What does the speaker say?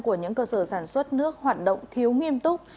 của những cơ sở sản xuất nước hoạt động thiếu nghiêm túc